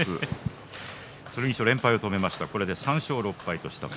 剣翔は連敗を止めました。